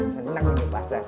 seneng ini pasti ac ac